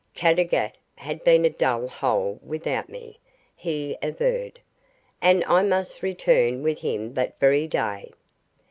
Caddagat had been a dull hole without me, he averred, and I must return with him that very day.